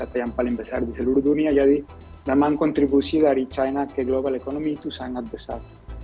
atau yang paling besar di seluruh dunia jadi memang kontribusi dari china ke global economy itu sangat besar